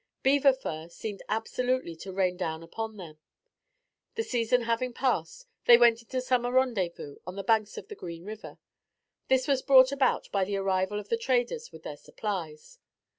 Beaver fur seemed absolutely to rain down upon them. The season having passed, they went into summer rendezvous on the banks of the Green River. This was brought about by the arrival of the traders with their supplies.